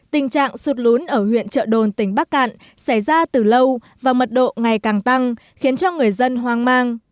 tình trạng sụt lún ở huyện trợ đồn tỉnh bắc cạn xảy ra từ lâu và mật độ ngày càng tăng khiến cho người dân hoang mang